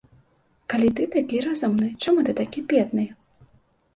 Калі ты такі разумны, чаму ты такі бедны?